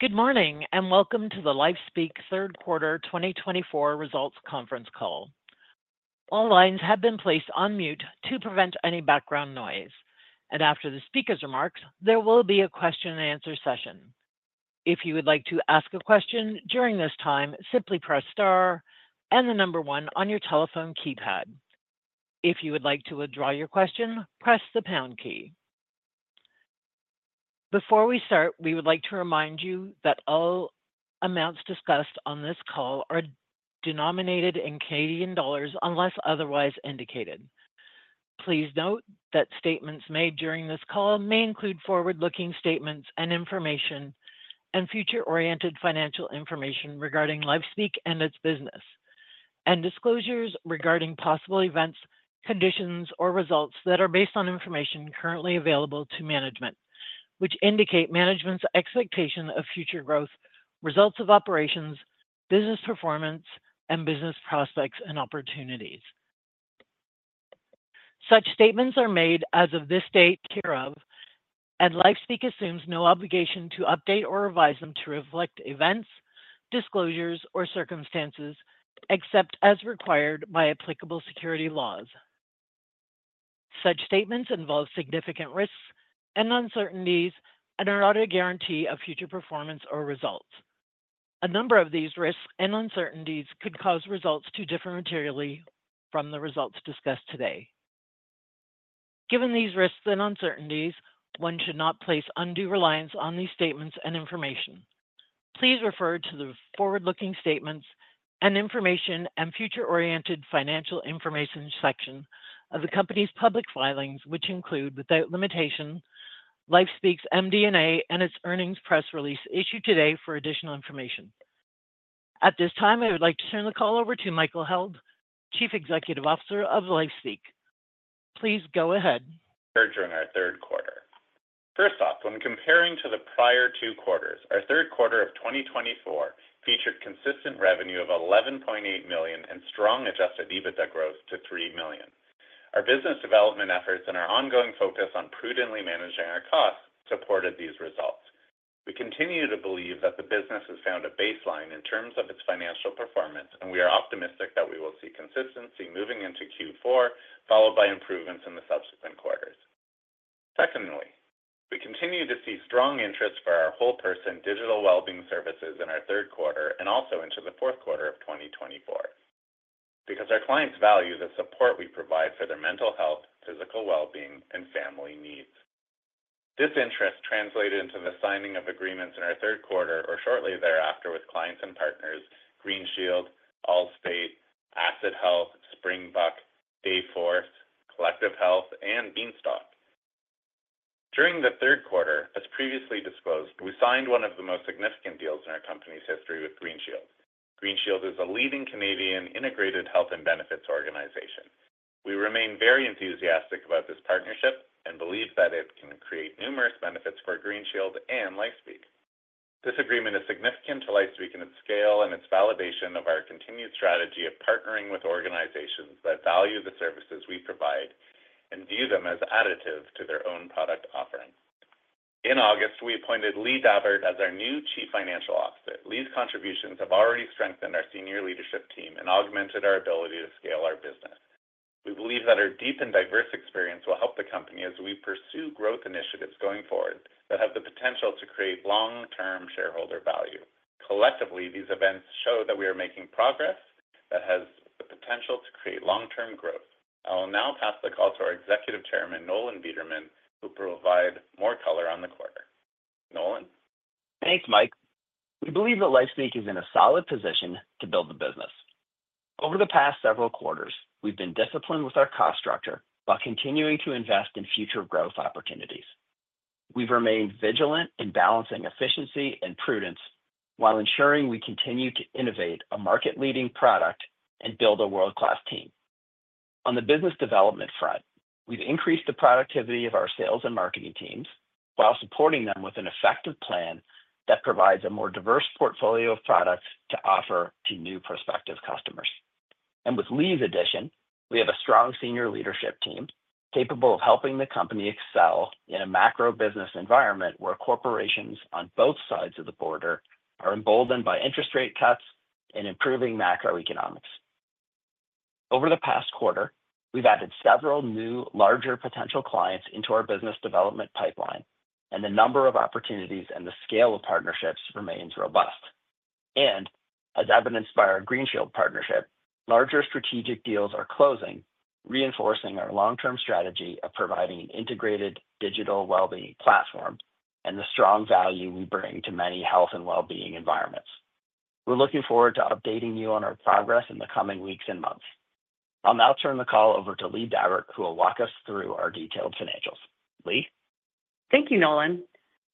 Good morning, and welcome to the LifeSpeak Q3 2024 results conference call. All lines have been placed on mute to prevent any background noise, and after the speaker's remarks, there will be a question-and-answer session. If you would like to ask a question during this time, simply press star and the number one on your telephone keypad. If you would like to withdraw your question, press the pound key. Before we start, we would like to remind you that all amounts discussed on this call are denominated in Canadian dollars unless otherwise indicated. Please note that statements made during this call may include forward-looking statements and information and future-oriented financial information regarding LifeSpeak and its business, and disclosures regarding possible events, conditions, or results that are based on information currently available to management, which indicate management's expectation of future growth, results of operations, business performance, and business prospects and opportunities. Such statements are made as of this date hereof, and LifeSpeak assumes no obligation to update or revise them to reflect events, disclosures, or circumstances except as required by applicable securities laws. Such statements involve significant risks and uncertainties and are not a guarantee of future performance or results. A number of these risks and uncertainties could cause results to differ materially from the results discussed today. Given these risks and uncertainties, one should not place undue reliance on these statements and information. Please refer to the forward-looking statements and information and future-oriented financial information section of the company's public filings, which include, without limitation, LifeSpeak's MD&A and its earnings press release issued today for additional information. At this time, I would like to turn the call over to Michael Held, Chief Executive Officer of LifeSpeak. Please go ahead. Characteristic of our Q3. First off, when comparing to the prior two quarters, our Q3 of 2024 featured consistent revenue of 11.8 million and strong Adjusted EBITDA growth to 3 million. Our business development efforts and our ongoing focus on prudently managing our costs supported these results. We continue to believe that the business has found a baseline in terms of its financial performance, and we are optimistic that we will see consistency moving into Q4, followed by improvements in the subsequent quarters. Secondly, we continue to see strong interest for our whole-person digital well-being services in our Q3 and also into the Q4 of 2024 because our clients value the support we provide for their mental health, physical well-being, and family needs. This interest translated into the signing of agreements in our Q3, or shortly thereafter, with clients and partners: GreenShield, Allstate, AssetHealth, Springbuk, Dayforce, Collective Health, and Beanstalk. During the Q3, as previously disclosed, we signed one of the most significant deals in our company's history with GreenShield. GreenShield is a leading Canadian integrated health and benefits organization. We remain very enthusiastic about this partnership and believe that it can create numerous benefits for GreenShield and LifeSpeak. This agreement is significant to LifeSpeak in its scale and its validation of our continued strategy of partnering with organizations that value the services we provide and view them as additive to their own product offering. In August, we appointed Lee Davert as our new Chief Financial Officer. Lee's contributions have already strengthened our senior leadership team and augmented our ability to scale our business. We believe that our deep and diverse experience will help the company as we pursue growth initiatives going forward that have the potential to create long-term shareholder value. Collectively, these events show that we are making progress that has the potential to create long-term growth. I will now pass the call to our Executive Chairman, Nolan Bederman, who will provide more color on the quarter. Nolan. Thanks, Mike. We believe that LifeSpeak is in a solid position to build the business. Over the past several quarters, we've been disciplined with our cost structure while continuing to invest in future growth opportunities. We've remained vigilant in balancing efficiency and prudence while ensuring we continue to innovate a market-leading product and build a world-class team. On the business development front, we've increased the productivity of our sales and marketing teams while supporting them with an effective plan that provides a more diverse portfolio of products to offer to new prospective customers, and with Lee's addition, we have a strong senior leadership team capable of helping the company excel in a macro business environment where corporations on both sides of the border are emboldened by interest rate cuts and improving macroeconomics. Over the past quarter, we've added several new, larger potential clients into our business development pipeline, and the number of opportunities and the scale of partnerships remains robust, and as evidenced by our GreenShield partnership, larger strategic deals are closing, reinforcing our long-term strategy of providing an integrated digital well-being platform and the strong value we bring to many health and well-being environments. We're looking forward to updating you on our progress in the coming weeks and months. I'll now turn the call over to Lee Davert, who will walk us through our detailed financials. Lee? Thank you, Nolan.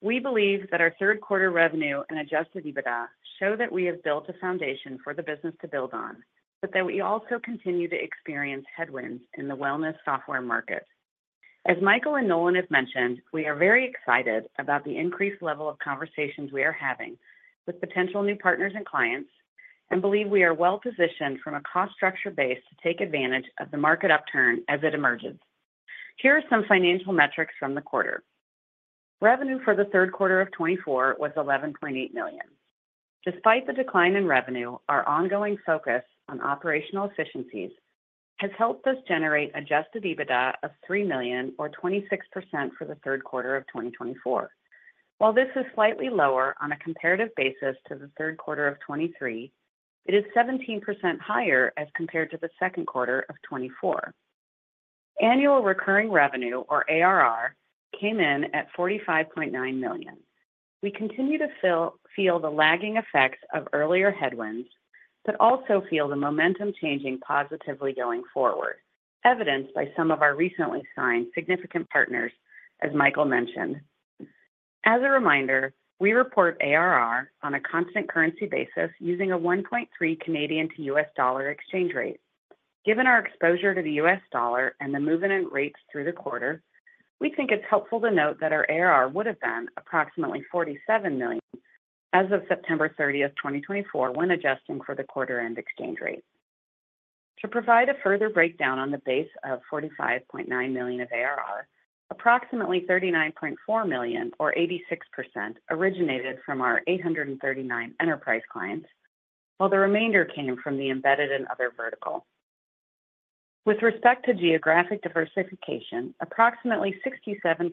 We believe that our Q3 revenue and adjusted EBITDA show that we have built a foundation for the business to build on, but that we also continue to experience headwinds in the wellness software market. As Michael and Nolan have mentioned, we are very excited about the increased level of conversations we are having with potential new partners and clients and believe we are well-positioned from a cost structure base to take advantage of the market upturn as it emerges. Here are some financial metrics from the quarter. Revenue for the Q3 of 2024 was 11.8 million. Despite the decline in revenue, our ongoing focus on operational efficiencies has helped us generate adjusted EBITDA of 3 million, or 26% for the Q3 of 2024. While this is slightly lower on a comparative basis to the Q3 of 2023, it is 17% higher as compared to the Q2 of 2024. Annual recurring revenue, or ARR, came in at $45.9 million. We continue to feel the lagging effects of earlier headwinds, but also feel the momentum changing positively going forward, evidenced by some of our recently signed significant partners, as Michael mentioned. As a reminder, we report ARR on a constant currency basis using a 1.3 Canadian to US dollar exchange rate. Given our exposure to the US dollar and the movement in rates through the quarter, we think it's helpful to note that our ARR would have been approximately $47 million as of September 30, 2024, when adjusting for the quarter-end exchange rate. To provide a further breakdown on the base of $45.9 million of ARR, approximately $39.4 million, or 86%, originated from our 839 enterprise clients, while the remainder came from the embedded and other vertical. With respect to geographic diversification, approximately 67%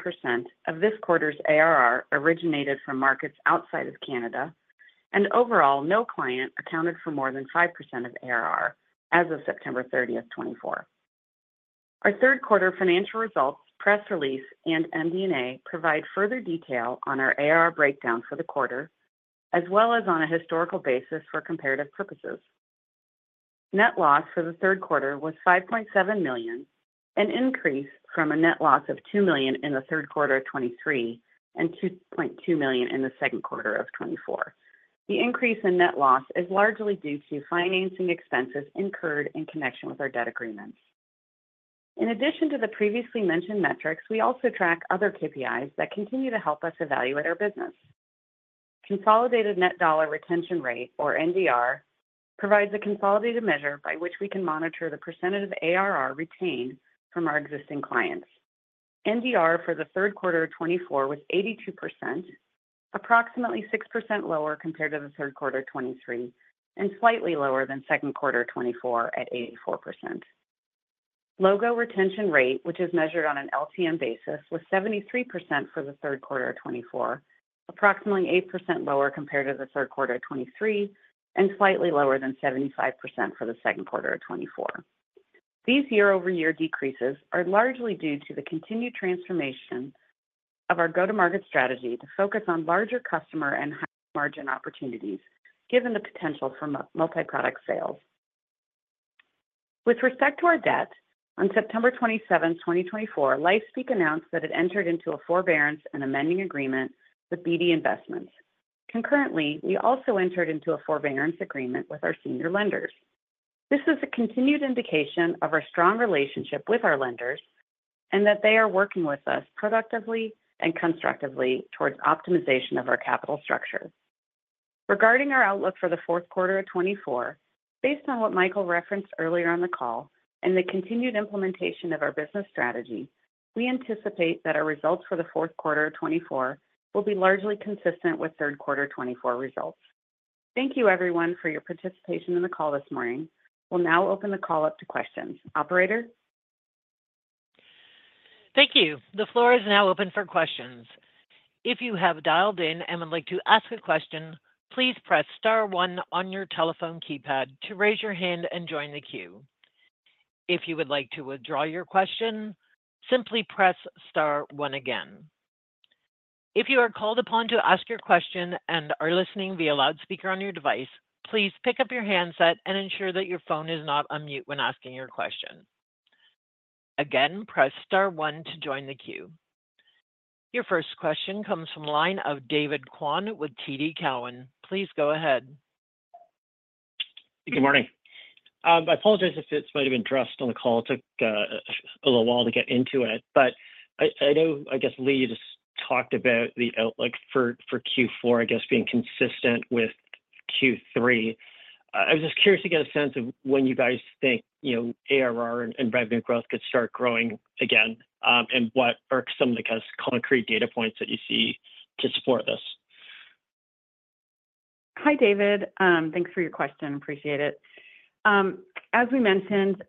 of this quarter's ARR originated from markets outside of Canada, and overall, no client accounted for more than 5% of ARR as of September 30, 2024. Our Q3 financial results, press release, and MD&A provide further detail on our ARR breakdown for the quarter, as well as on a historical basis for comparative purposes. Net loss for the Q3 was $5.7 million, an increase from a net loss of $2 million in the Q3 of 2023 and $2.2 million in the Q2 of 2024. The increase in net loss is largely due to financing expenses incurred in connection with our debt agreements. In addition to the previously mentioned metrics, we also track other KPIs that continue to help us evaluate our business. Consolidated Net Dollar Retention Rate, or NDR, provides a consolidated measure by which we can monitor the percentage of ARR retained from our existing clients. NDR for the Q3 of 2024 was 82%, approximately 6% lower compared to the Q3 of 2023, and slightly lower than Q2 of 2024 at 84%. Logo retention rate, which is measured on an LTM basis, was 73% for the Q3 of 2024, approximately 8% lower compared to the Q3 of 2023, and slightly lower than 75% for the Q2 of 2024. These year-over-year decreases are largely due to the continued transformation of our go-to-market strategy to focus on larger customer and higher margin opportunities, given the potential for multi-product sales. With respect to our debt, on September 27, 2024, LifeSpeak announced that it entered into a forbearance and amending agreement with BD Investments. Concurrently, we also entered into a forbearance agreement with our senior lenders. This is a continued indication of our strong relationship with our lenders and that they are working with us productively and constructively towards optimization of our capital structure. Regarding our outlook for the Q4 of 2024, based on what Michael referenced earlier on the call and the continued implementation of our business strategy, we anticipate that our results for the Q4 of 2024 will be largely consistent with Q3 of 2024 results. Thank you, everyone, for your participation in the call this morning. We'll now open the call up to questions. Operator? Thank you. The floor is now open for questions. If you have dialed in and would like to ask a question, please press star one on your telephone keypad to raise your hand and join the queue. If you would like to withdraw your question, simply press star one again. If you are called upon to ask your question and are listening via speakerphone on your device, please pick up your handset and ensure that your phone is not on mute when asking your question. Again, press star one to join the queue. Your first question comes from line of David Kwon with TD Cowen. Please go ahead. Good morning. I apologize if it might have been dropped on the call. It took a little while to get into it. But I know, I guess, Lee just talked about the outlook for Q4, I guess, being consistent with Q3. I was just curious to get a sense of when you guys think ARR and revenue growth could start growing again and what are some of the concrete data points that you see to support this. Hi, David. Thanks for your question. Appreciate it. As we mentioned,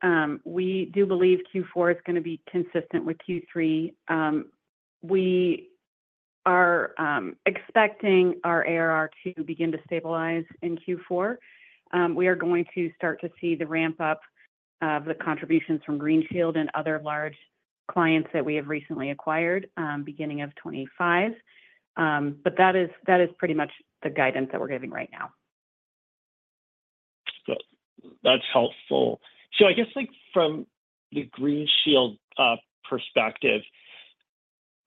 we do believe Q4 is going to be consistent with Q3. We are expecting our ARR to begin to stabilize in Q4. We are going to start to see the ramp-up of the contributions from GreenShield and other large clients that we have recently acquired beginning of 2025. But that is pretty much the guidance that we're giving right now. That's helpful. So I guess from the GreenShield perspective,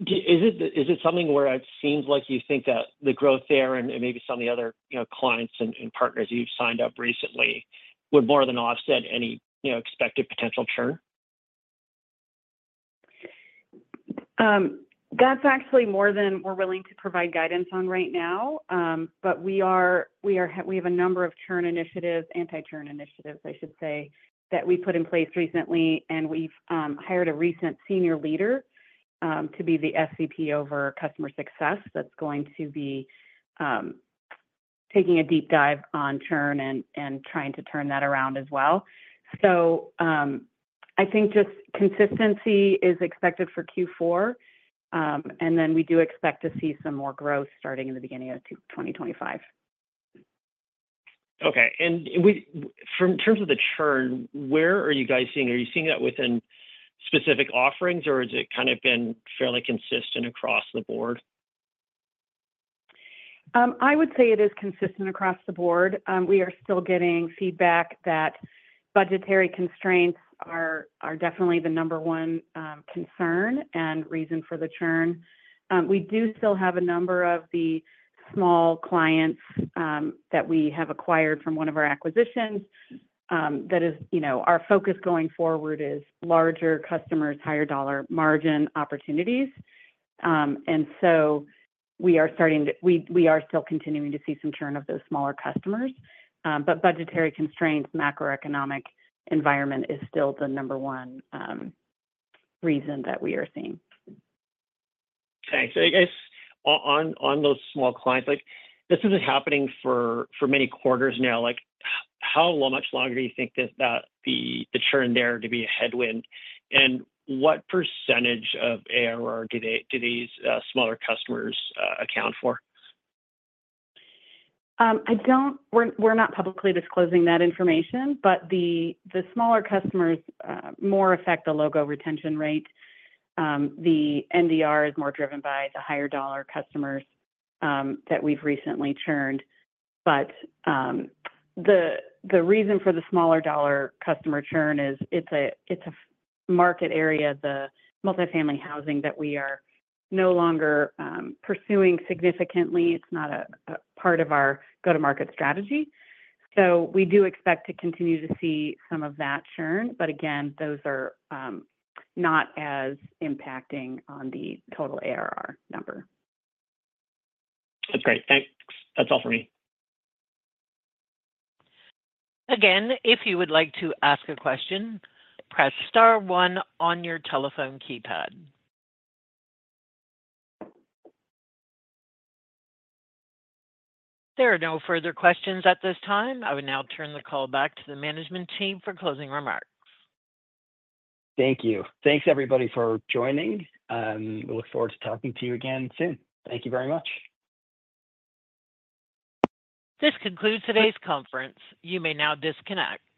is it something where it seems like you think that the growth there and maybe some of the other clients and partners you've signed up recently would more than offset any expected potential churn? That's actually more than we're willing to provide guidance on right now. But we have a number of churn initiatives, anti-churn initiatives, I should say, that we put in place recently. And we've hired a recent senior leader to be the SVP over customer success that's going to be taking a deep dive on churn and trying to turn that around as well. So I think just consistency is expected for Q4. And then we do expect to see some more growth starting in the beginning of 2025. Okay. And in terms of the churn, where are you guys seeing? Are you seeing that within specific offerings, or has it kind of been fairly consistent across the board? I would say it is consistent across the board. We are still getting feedback that budgetary constraints are definitely the number one concern and reason for the churn. We do still have a number of the small clients that we have acquired from one of our acquisitions that is our focus going forward is larger customers, higher dollar margin opportunities. And so we are still continuing to see some churn of those smaller customers. But budgetary constraints, macroeconomic environment is still the number one reason that we are seeing. Okay. So I guess on those small clients, this isn't happening for many quarters now. How much longer do you think that the churn there to be a headwind? And what % of ARR do these smaller customers account for? We're not publicly disclosing that information. But the smaller customers more affect the logo retention rate. The NDR is more driven by the higher dollar customers that we've recently churned. But the reason for the smaller dollar customer churn is it's a market area, the multifamily housing that we are no longer pursuing significantly. It's not a part of our go-to-market strategy. So we do expect to continue to see some of that churn. But again, those are not as impacting on the total ARR number. That's great. Thanks. That's all for me. Again, if you would like to ask a question, press star one on your telephone keypad. There are no further questions at this time. I will now turn the call back to the management team for closing remarks. Thank you. Thanks, everybody, for joining. We look forward to talking to you again soon. Thank you very much. This concludes today's conference. You may now disconnect.